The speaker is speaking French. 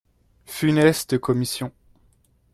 Funeste commission